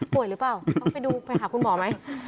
หรือเปล่าต้องไปดูไปหาคุณหมอไหม